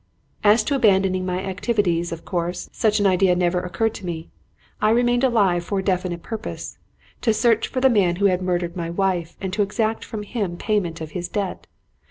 As to abandoning my activities, of course, such an idea never occurred to me. I remained alive for a definite purpose: to search for the man who had murdered my wife and to exact from him payment of his debt.